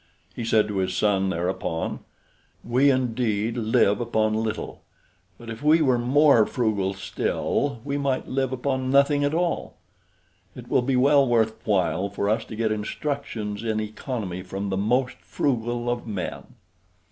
He said to his son thereupon: "We, indeed, live upon little, but if we were more frugal still, we might live upon nothing at all. It will be well worth while for us to get instructions in economy from the Most Frugal of Men."